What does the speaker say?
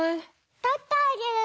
とってあげる。